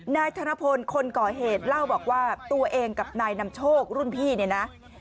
นายธนพลคนก่อเหตุเล่าบอกว่าตัวเองกับนายนำโชครุ่นพี่เนี่ยนะ